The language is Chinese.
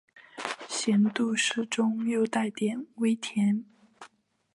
咸度适中又带点微甘